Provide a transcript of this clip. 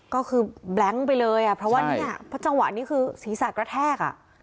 ก็คือแบล็งก์ไปเลยเพราะว่าจังหวะนี้คือศีรษะกระแทก